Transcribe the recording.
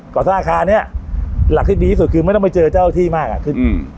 เกาะสาขานี้หลักที่ดีสุดคือไม่ต้องไปเจอเจ้าที่มากอ่ะอืม